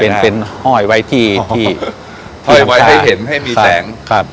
เป็นเป็นห้อยไว้ที่ที่ห้อยไว้ให้เห็นให้มีแสงครับ